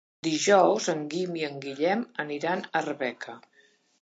Dijous en Guim i en Guillem aniran a Arbeca.